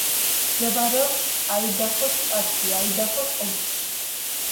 მდებარეობს აიდაჰოს შტატში, აიდაჰოს ოლქში.